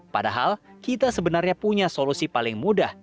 padahal kita sebenarnya punya solusi paling mudah